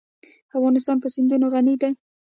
افغانستان په سیندونه غني دی.